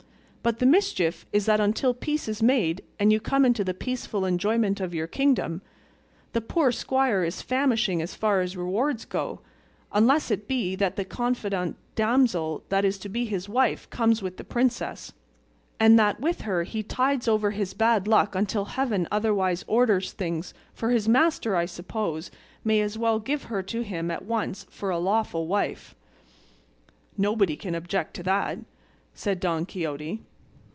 But the mischief is that until peace is made and you come into the peaceful enjoyment of your kingdom, the poor squire is famishing as far as rewards go, unless it be that the confidante damsel that is to be his wife comes with the princess, and that with her he tides over his bad luck until Heaven otherwise orders things; for his master, I suppose, may as well give her to him at once for a lawful wife." "Nobody can object to that," said Don Quixote.